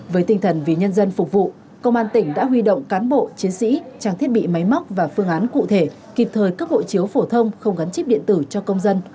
với tinh thần vì nhân dân phục vụ công an tỉnh đã huy động cán bộ chiến sĩ trang thiết bị máy móc và phương án cụ thể kịp thời cấp hộ chiếu phổ thông không gắn chip điện tử cho công dân